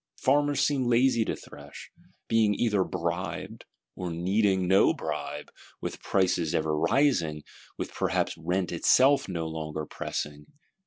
Farmers seem lazy to thresh;—being either "bribed;" or needing no bribe, with prices ever rising, with perhaps rent itself no longer so pressing.